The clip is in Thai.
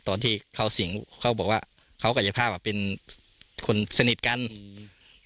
ตอนที่เขาสิงเขาบอกว่าเขากายภาพอ่ะเป็นคนสนิทกันอืม